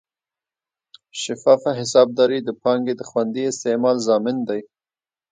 شفافه حسابداري د پانګې د خوندي استعمال ضامن ده.